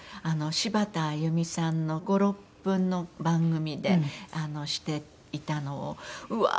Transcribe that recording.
柴田あゆみさんの５６分の番組でしていたのをうわー！